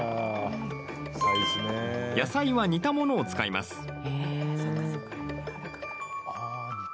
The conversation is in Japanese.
野菜は煮たものを使います。